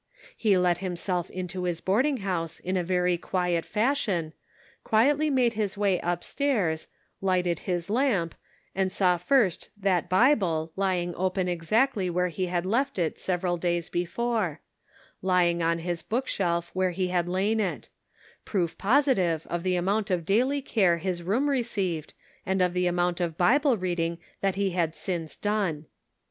He let himself into his boarding house in a very quiet fashion, quietly made his way up stairs, lighted his lamp, and saw first that Bible lying open exactly as he had left it sev eral days before ; lying on his book shelf where he had lain it ; proof positive of the amount of daily care his room received and of the amount of Bible reading that he had since done.